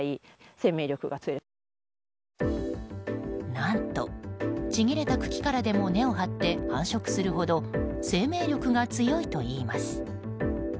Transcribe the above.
何と、ちぎれた茎からでも根を張って繁殖するほど生命力が強いといいます。